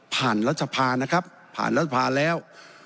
รัฐสภานะครับผ่านรัฐภาแล้ว